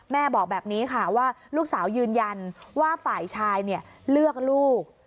แม่บอกแบบนี้ค่ะว่าลูกสาวยืนยันว่าฝ่ายชายเลือกลูก